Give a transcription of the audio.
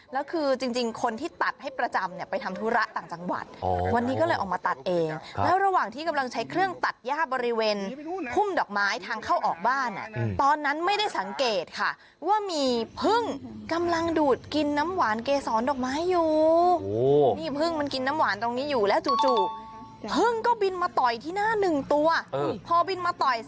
แล้วคือจริงคนที่ตัดให้ประจำเนี่ยไปทำธุระต่างจังหวัด